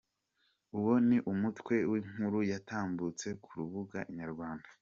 Uwo ni umutwe w’inkuru yatambutse ku rubuga Inyarwanda.